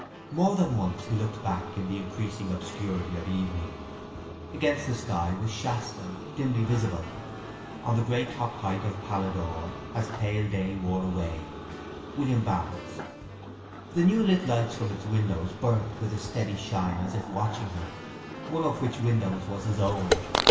More than once he looked back in the increasing obscurity of evening. Against the sky was Shaston, dimly visible On the grey topp'd height Of Paladore, as pale day wore Away… William Barnes. The new lit lights from its windows burnt with a steady shine as if watching him, one of which windows was his own.